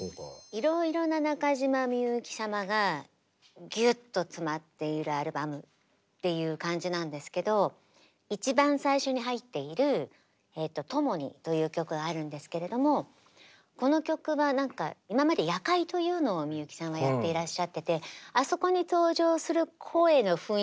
いろいろな中島みゆき様がぎゅっと詰まっているアルバムっていう感じなんですけど一番最初に入っているこの曲は今まで「夜会」というのをみゆきさんはやっていらっしゃっててあそこに登場する声の雰囲気もあったり